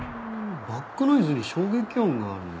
バックノイズに衝撃音があるね。